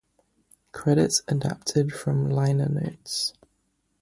Credits adapted from liner notes.